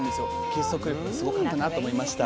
結束力がすごかったなと思いました。